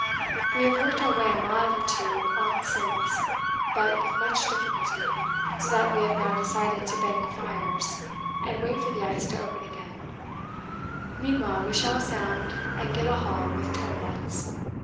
We have worked our way a mile or two on since, but with much difficulty, so that we have now decided to bank fires and wait for the ice to open again; meanwhile we shall sound and get a haul with tow nets.